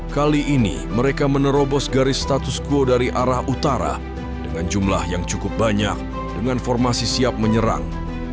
kali ini mereka menerobos garis status quo dari arah utara dengan jumlah yang cukup banyak dengan formasi siap menyerang